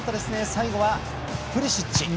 最後は、プリシッチ。